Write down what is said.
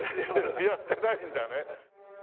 やってないんだね。